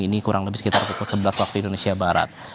ini kurang lebih sekitar pukul sebelas waktu indonesia barat